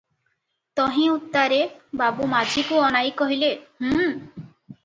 ତହିଁ ଉତ୍ତାରେ ବାବୁ ମାଝିକୁ ଅନାଇ କହିଲେ, "ହୁଁ -"